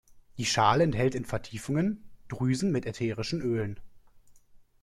Die Schale enthält in Vertiefungen Drüsen mit ätherischen Ölen.